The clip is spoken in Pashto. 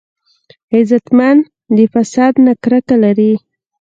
غیرتمند د فساد نه کرکه لري